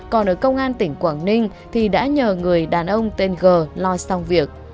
còn ở công an tỉnh quảng ninh thì đã nhờ người đàn ông tên g lo xong việc